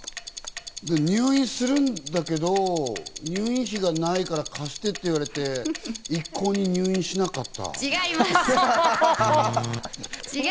入院するんだけど、入院費がないから貸してって言われて、一向に入院しなかった。